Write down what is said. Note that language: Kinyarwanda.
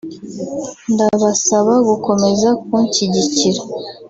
ndabasaba gukomeza kunshyigikira